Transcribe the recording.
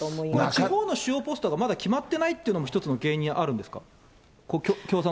地方の主要ポストがまだ決まってないっていうのも一つの原因にあるんですか。